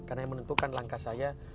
karena yang menentukan langkah saya